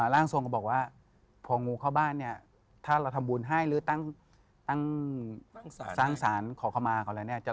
ร่างทรงก็บอกว่าพองูเข้าบ้านถ้าเราทำบุญให้หรือตั้งสร้างสารขอเข้ามา